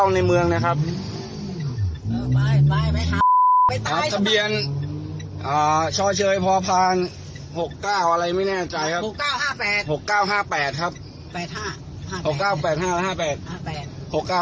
ตัวตัวตัวตัวตัวตัวตัวตัวตัวตัวตัวตัวตัวสดสายด้วยทำเพื่อใส่ผสมสัครเซ่หรือเปลี่ยวเนินอร่อยคุณครับ